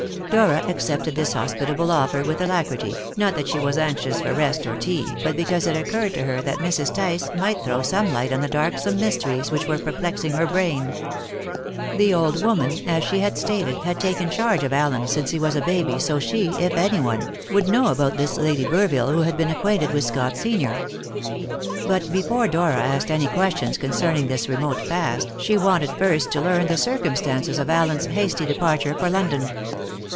Dora accepted this hospitable offer with alacrity, not that she was anxious for rest or tea, but because it occurred to her that Mrs. Tice might throw some light on the darksome mysteries which were perplexing her brain. The old woman, as she had stated, had taken charge of Allen since he was a baby, so she, if anyone, would know about this Lady Burville who had been acquainted with Scott senior. But before Dora asked any questions concerning this remote past, she wanted first to learn the circumstances of Allen's hasty departure for London.